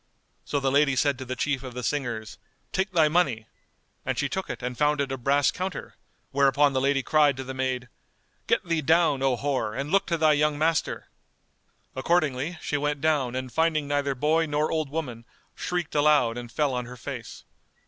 So the lady said to the chief of the singers, "Take thy money;" and she took it and found it a brass counter; whereupon the lady cried to the maid, "Get thee down, O whore, and look to thy young master." Accordingly, she went down and finding neither boy nor old woman, shrieked aloud and fell on her face.